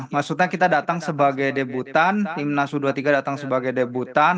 maksudnya kita datang sebagai debutan timnas u dua puluh tiga datang sebagai debutan